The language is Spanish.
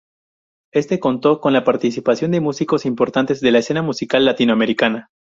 Éste contó con la participación de músicos importantes de la escena musical latinoamericana.